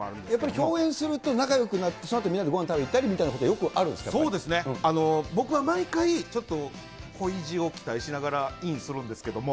共演すると仲よくなって、そのあと、みんなでごはん食べに行ったりとかみたいなことはよくそうですね、僕は毎回、ちょっと恋路を期待しながらインするんですけども。